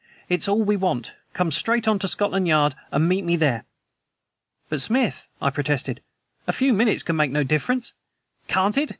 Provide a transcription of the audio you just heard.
It's all we want. Come straight on to Scotland Yard and meet me there." "But Smith," I protested, "a few minutes can make no difference!" "Can't it!"